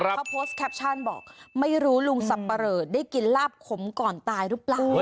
เขาโพสต์แคปชั่นบอกไม่รู้ลุงสับปะเหลอได้กินลาบขมก่อนตายหรือเปล่า